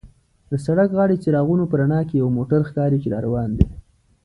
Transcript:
د سړک غاړې څراغونو په رڼا کې یو موټر ښکاري چې را روان دی.